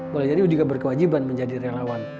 boleh jadi juga berkewajiban menjadi relawan